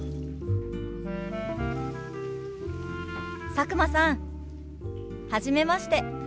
佐久間さんはじめまして。